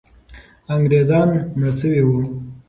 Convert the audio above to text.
انګریزان مړه سوي وو.